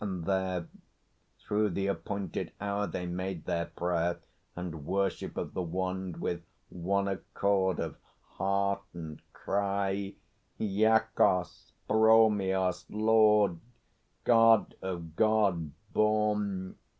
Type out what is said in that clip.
And there Through the appointed hour they made their prayer And worship of the Wand, with one accord Of heart and cry "Iacchos, Bromios, Lord, God of God born!"